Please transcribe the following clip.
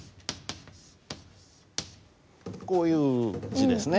こういう字ですね。